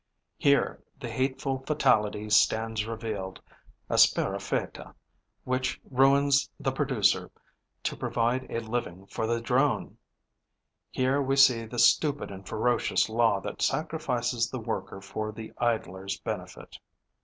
Here the hateful fatality stands revealed, aspera fata, which ruins the producer to provide a living for the drone; here we see the stupid and ferocious law that sacrifices the worker for the idler's benefit.